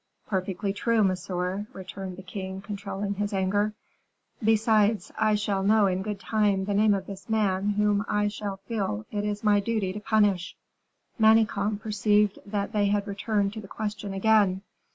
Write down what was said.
"Perfectly true, monsieur," returned the king, controlling his anger; "besides, I shall know in good time the name of this man whom I shall feel it my duty to punish." Manicamp perceived that they had returned to the question again.